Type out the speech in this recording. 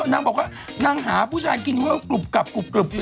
นางบอกว่านางหาผู้ชายกินกินที่กลุบกลับกลุบกลับอยู่